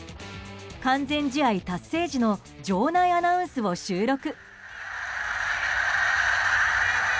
完全試合達成時の場内アナウンスを収録。